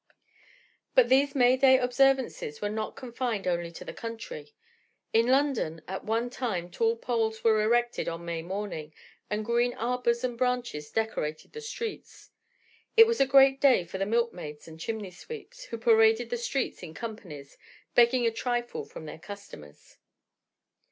But these May day observances were not confined only to the country. In London at one time tall poles were erected on May morning, and green arbors and branches decorated the streets. It was a great day for the milkmaids and chimney sweeps, who paraded the streets in companies, begging a trifle from their customers.